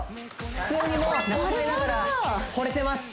普通にもう後輩ながらほれてます